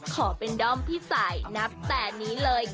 ขอเป็นด้อมพี่ไสนับแพทย์นี้เลย